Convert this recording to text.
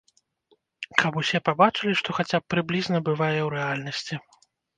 Каб усе пабачылі, што хаця б прыблізна бывае ў рэальнасці.